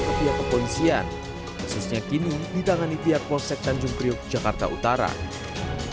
ke pihak kepolisian khususnya kini ditangani pihak konsep tanjung priok jakarta utara kini